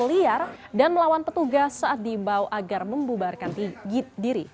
liar dan melawan petugas saat diimbau agar membubarkan diri